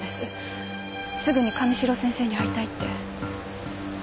「すぐに神代先生に会いたい」って。